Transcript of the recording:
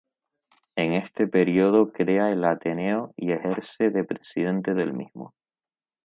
En este período crea el Ateneo y ejerce de Presidente del mismo.